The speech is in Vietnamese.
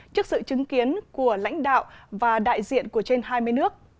trước sự chứng kiến của lãnh đạo và đại diện của trên hai mươi nước